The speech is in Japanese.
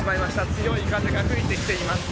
強い風が吹いてきています。